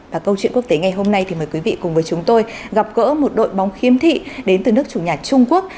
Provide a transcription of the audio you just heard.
và câu chuyện quốc tế ngày hôm nay thì mời quý vị cùng với chúng tôi gặp gỡ một đội bóng khiêm thị đến từ nước chủ nhà trung quốc